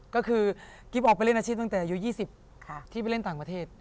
ก็คือกิ๊บออกไปเล่นอาชีพตั้งแต่อายุ๒๐ที่ไปเล่นต่างประเทศ